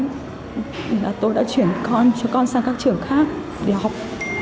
thì tôi đã chuyển con cho con sang các trường khác để học